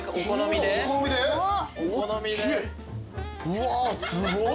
うわすごい。